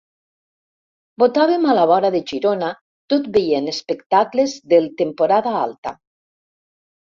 Botàvem a la vora de Girona tot veient espectacles del Temporada Alta.